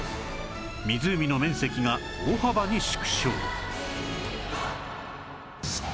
湖の面積が大幅に縮小